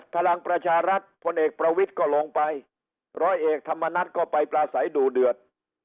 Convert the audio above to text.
พลังประชารัฐพลเอกประวิทย์ก็ลงไปร้อยเอกธรรมนัฏก็ไปปลาใสดูเดือด